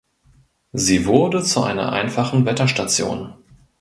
Sie wurde zu einer einfachen Wetterstation.